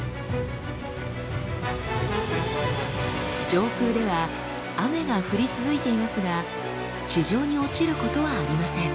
上空では雨が降り続いていますが地上に落ちることはありません。